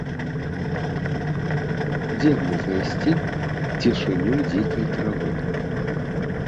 Дзе мне знайсці цішыню дзікай травы?